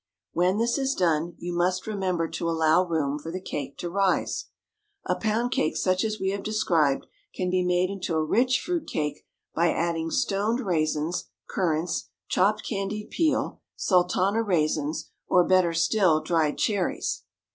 When this is done, you must remember to allow room for the cake to rise. A pound cake such as we have described can be made into a rich fruit cake by adding stoned raisins, currants, chopped candied peel, sultana raisins, or, better still, dried cherries.